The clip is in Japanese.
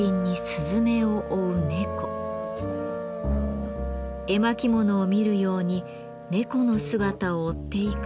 絵巻物を見るように猫の姿を追っていくと。